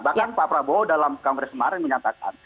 bahkan pak prabowo dalam kongres kemarin menyatakan